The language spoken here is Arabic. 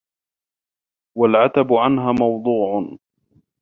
وَالْعَتْبُ عَنْهَا مَوْضُوعٌ